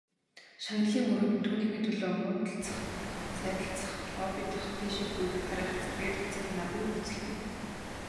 Шагналыг мөрөөднө, түүнийхээ төлөө муудалцах, сайдалцах, лоббидох, дээшээ гүйх харайх зэргээр цаг наргүй хөөцөлдөнө.